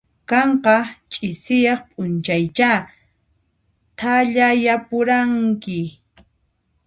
Qanqa ch'isiaq p'unchaychá thallayapuranki.